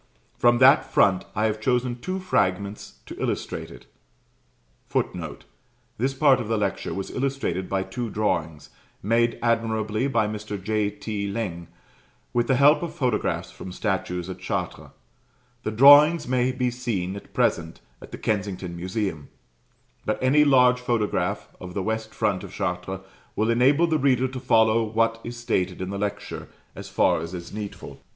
From that front I have chosen two fragments to illustrate it. [Footnote: This part of the lecture was illustrated by two drawings, made admirably by Mr. J. T. Laing, with the help of photographs from statues at Chartres. The drawings may be seen at present at the Kensington Museum: but any large photograph of the west front of Chartres will enable the reader to follow what is stated in the lecture, as far as is needful.